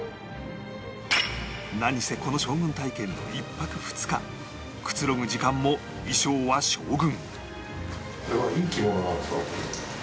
なにせこの将軍体験の１泊２日くつろぐ時間も衣装は将軍